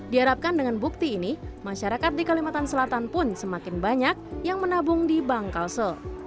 diharapkan dengan bukti ini masyarakat di kalimantan selatan pun semakin banyak yang menabung di bank kalsel